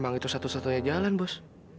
memang itu satu satunya jalan bos